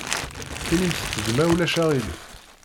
Inimt-d ma ulac aɣilif.